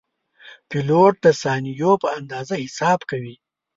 پیلوټ د ثانیو په اندازه حساب کوي.